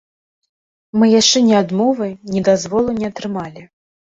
Мы яшчэ ні адмовы, ні дазволу не атрымалі.